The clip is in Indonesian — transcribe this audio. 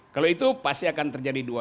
kalau itu pasti akan terjadi dua